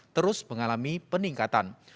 terus mengalami peningkatan